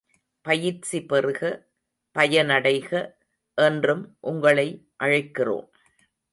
பயிற்சி பெறுக, பயனடைக, என்றும் உங்களை அழைக்கிறோம்.